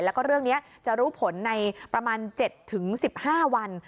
แล้วก็เรื่องนี้จะรู้ผลในประมาณ๗๑๕วัน